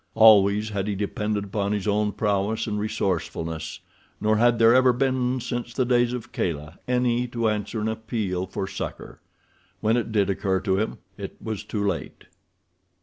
Always had he depended upon his own prowess and resourcefulness, nor had there ever been since the days of Kala any to answer an appeal for succor. When it did occur to him it was too late.